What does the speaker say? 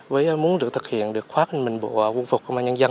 với muốn thực hiện được khoác mình bộ quân phục công an nhân dân